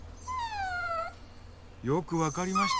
よくわかりました。